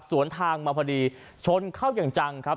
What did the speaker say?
สวนทางมาพอดีชนเข้าอย่างจังครับ